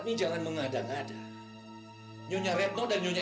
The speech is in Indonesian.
mengapa menghabisi tujuh nyawa perempuan muda